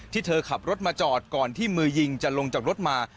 เธอขับรถมาจอดก่อนที่มือยิงจะลงจากรถมา